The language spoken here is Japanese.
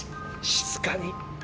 静かに。